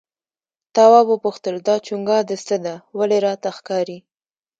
تواب وپوښتل دا چونگا د څه ده ولې راته ښکاري؟